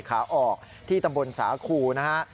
ขาออกที่ตำบลสาคูนะฮะ